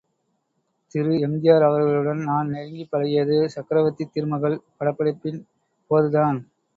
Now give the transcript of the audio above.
திரு எம்.ஜி.ஆர். அவர்களுடன் நான் நெருங்கிப் பழகியது சக்ரவர்த்தித் திருமகள் படப்பிடிப்பின் போதுதான்.